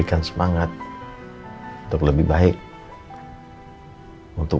aku sama abi udah sepakat loh untuk